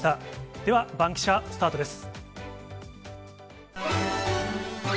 では、バンキシャ、スタートです。